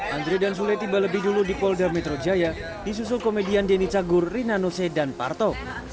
andre dan sule tiba lebih dulu di polda metro jaya disusul komedian denny cagur rina nose dan parto